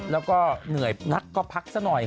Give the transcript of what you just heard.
แล้วก็เหนื่อยนักก็พักซะหน่อย